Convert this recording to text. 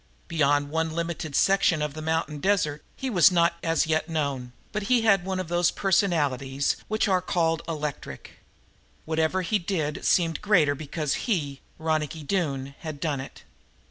Beyond one limited section of the mountain desert he was not as yet known, but he had one of those personalities which are called electric. Whatever he did seemed greater because he, Ronicky Doone, had done it.